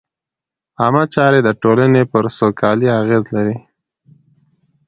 عامه چارې د ټولنې پر سوکالۍ اغېز لري.